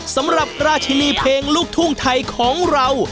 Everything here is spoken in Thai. สำหรับราชินีเพลงลูกทุ่งไทยของเรา